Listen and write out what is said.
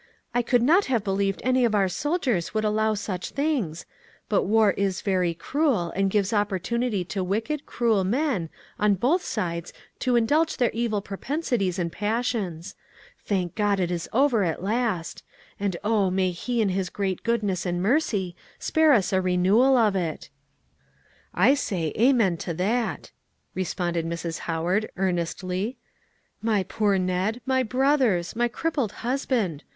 "I could not have believed any of our officers would allow such things. But war is very cruel, and gives opportunity to wicked, cruel men, on both sides to indulge their evil propensities and passions. Thank God, it is over at last; and oh, may He, in His great goodness and mercy, spare us a renewal, of it." "I say amen to that!" responded Mrs. Howard earnestly. "My poor Ned! my brothers! my crippled husband!